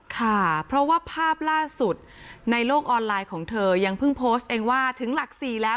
ค่ะเพราะว่าภาพล่าสุดในโลกออนไลน์ของเธอยังเพิ่งโพสต์เองว่าถึงหลักสี่แล้ว